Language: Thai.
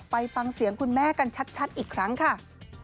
ไปฟังเสียงคุณแม่กันชัดอีกครั้งค่ะ